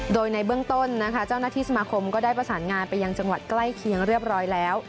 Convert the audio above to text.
โดยในเบื้องต้นนะคะเจ้าหน้าที่สมาคมก็ได้ประสานงานไปยังจังหวัดใกล้เคียงเรียบร้อยแล้ว